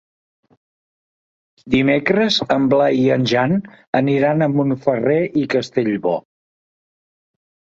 Dimecres en Blai i en Jan aniran a Montferrer i Castellbò.